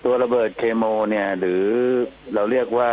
ตัวระเบิดเคลมอลหรือเราเรียกว่า